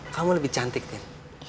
kamu lebih cantik tin